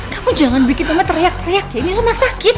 kamu jangan bikin mama teriak teriak ya ini rumah sakit